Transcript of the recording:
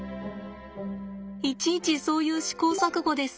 いちいちそういう試行錯誤です。